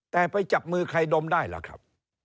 แต่ไปจับมือใครดมได้ล่ะครับ